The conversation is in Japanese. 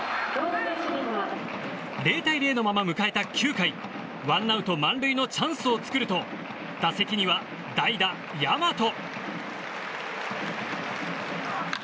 ０対０のまま迎えた９回ワンアウト満塁のチャンスを作ると打席には代打、大和。